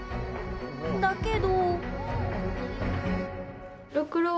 だけど。